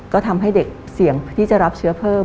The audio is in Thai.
ก็ทำให้เด็กเสี่ยงที่จะรับเชื้อเพิ่ม